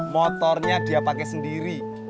motornya dia pakai sendiri